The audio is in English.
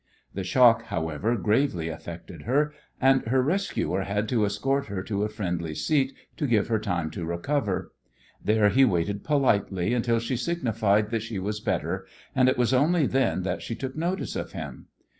The shock, however, gravely affected her, and her rescuer had to escort her to a friendly seat to give her time to recover. There he waited politely until she signified that she was better, and it was only then that she took notice of him.